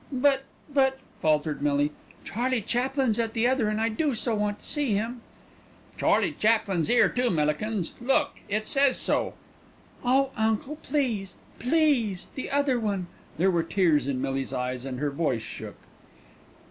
"But but " faltered Millie, "Charlie Chaplin's at the other and I do so want to see him." "Charlie Chaplin's 'ere too, Millikins. Look, it says so." "Oh, uncle, please, please, the other one." There were tears in Millie's eyes and her voice shook.